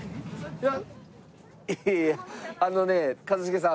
いやあのね一茂さん